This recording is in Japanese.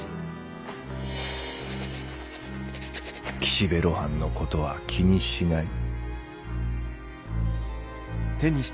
「岸辺露伴のことは気にしない」。